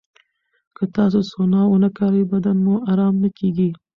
که تاسو سونا ونه کاروئ، بدن مو ارام نه کېږي.